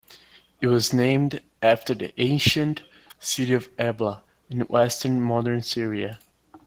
It was named after the ancient city of Ebla, in western modern Syria.